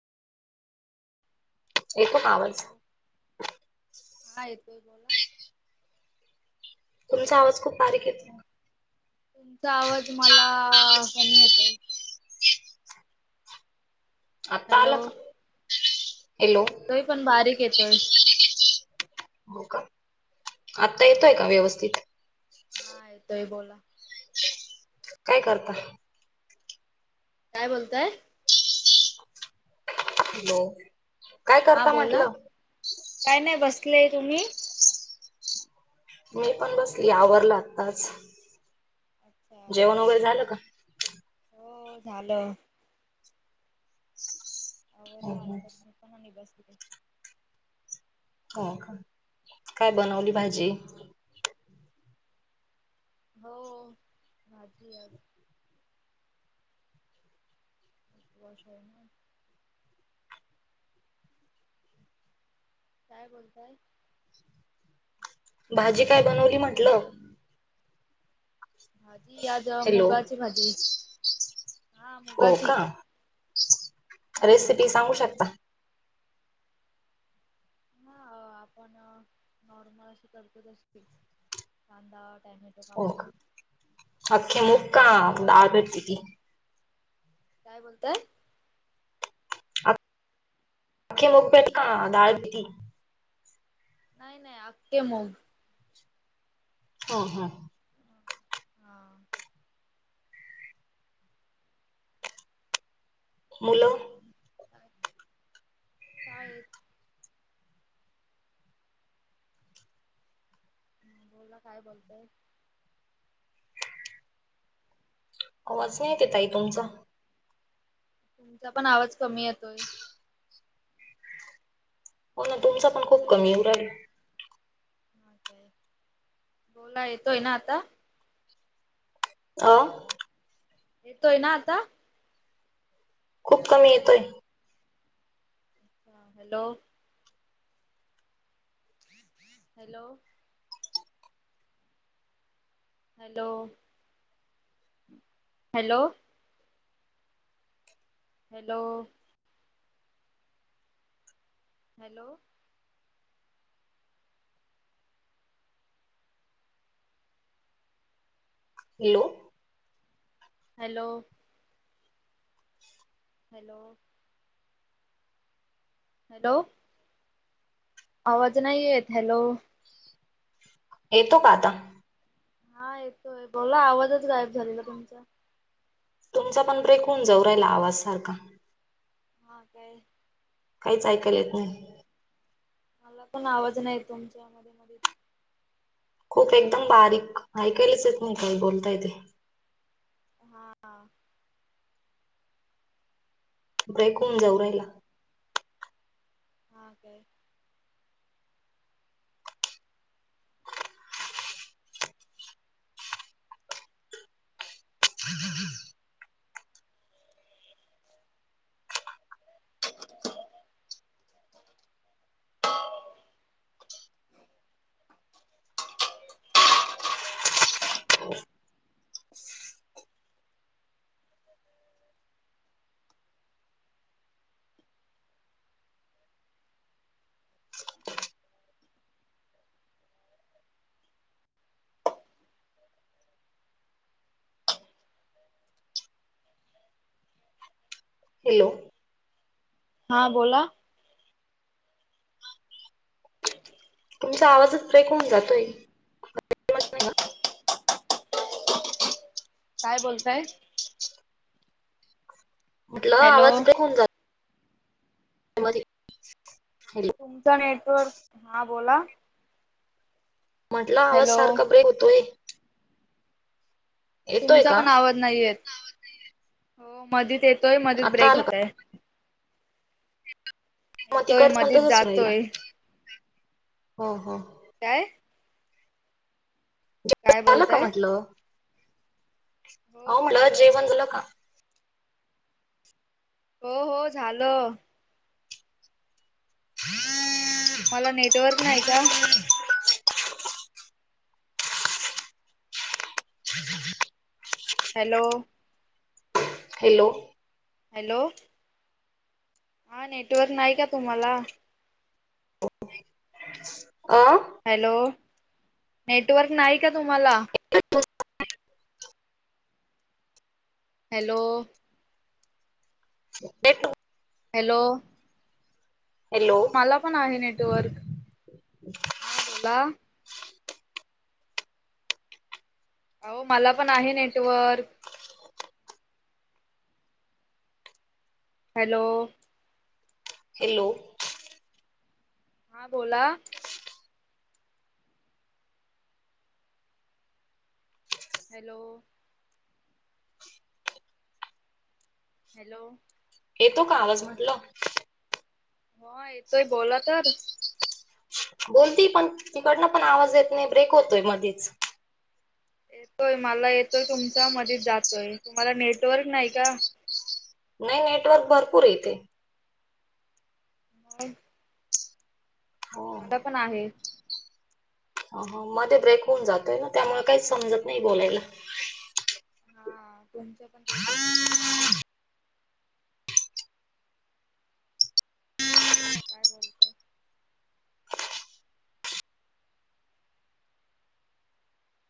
येतो का आवाज हॅलो. तुमचा आवाज खूप बारीक हॅलो येतोय. तुमचा आवाज मला कमी येतोय. आता आला हॅलो, का हॅलो हो हा आता येतोय का व्यवस्थित. हा येतोय बोला. काय करताय? काय बोलताय? हॅलो, काय हा करता बोला. म्हंटलं मी पण बसली आवरला आताच अच्छा जेवण वगैरे झालं का. हो झालं. हं आवरला हं. आत्ता नी मी पण बसले. हो का काय बनवली भाजी? हा हो भाझी आज. ब स आहे ना. काय बोलताय? भाजी काय बनवली हॅलो म्हटलं. भाजी आज हॅलो मुगाची भाजी हा हो का मुगाची. हा रेसिपी सांगू शकता? हा आपण नॉर्मल अशी करतो तशीच कांदा टोमॅटो हो का अखे म्हणजे मी मुग डाळ भेटती ती. काय बोलताय? आखी मुग का डाळ केली. नाही नाही अख्खे मुग. हो हा, हा, मुल. मग काय शाळेत. बोला काय बोलतय. आवाज नाही येतेताई तुमचा. तुमचा पण आवाज कमी येतोय. हो ना तुमचा पण खूप हॅलो कमी उऊ राहील. हा बोला येतोय ना आता. आ, येतोय ना आता. खूप कमी येतोय. हा hello, hello. Hello, hello. Hello. Hello hello. Hello. Hello hello. आवाज नाही येत. हॅलो येतो का आता? हा येतोय, बोला आवाजच गायब झालेला तुमचा. तुमचा पण ब्रेक होऊन जऊ राहिला आवाज सारखा. हा काय. काहीच ऐकायला येत नाही. मला पण आवाज नाही येतं तुमचा. खूप एकदम बारीक, ऐकायलच येत नाही काय बोलता ते. हां. ब्रेक होन जाऊ राहिला. हा काय. [inaudible] [inaudible] हॅलो. हां बोला. [inaudible] तुमचा आवाजच ब्रेक होऊन जातोय. समजत नाही का? काय बोलताय. म्हटलं हॅलो आवाज ब्रेक होऊन जातो. [inaudible] तुमचं नेटवर्क, हां बोला. म्हटलं आवाज हॅलो सारखा ब्रेक होतोय. येतोय तुमचा का पण आवाज नाही येत. हो मधीच येतोय मधिच आता ब्रेक आला का होतय. म येतोय तीकडच पण मधीत तसच व्हायला. जातोय हो हो काय? जेवन काय झालं का बोलताय म्हटलं? आहो म्हटलं जेवण झालं का? हो हो झालं. तुम्हाला नेटवर्क नाही का? हॅलो. Hello hello. हा नेटवर्क नाही का तुम्हाला? अ [inaudible] हॅलो! नेटवर्क नाही का तुम्हाला? [inaudible] हॅलो! येतो. हॅलो! हॅलो हा मला पण आहे नेटवर्क हा बोला. हो मला पण आहे नेटवर्क. हॅलो, हॅलो, हा बोला? हॅलो, हॅलो, येतो का आवाज म्हटलं. हा येतोय बोला तर. बोलती पण तिकडनं पण आवाज येत नाही ब्रेक होतोय मधीच. होय मला येतोय तुमच्या मध्ये जातोय तुम्हाला नेटवर्क नाही का. नाही नेटवर्क भरपूर इथे. मग. हो मला पण आहेत. ह मध्ये ब्रेक होऊन जातोय ना त्यामुळे काही समजत नाही बोलायला. हा तुमचं पण तेच होतंय. बोला काय बोलतोय.